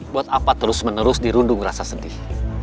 buat apa terus menerus dirundung rasa sedih